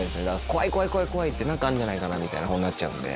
怖い、怖い、怖いって、なんかあんじゃないかなみたいな、こうなっちゃうんで。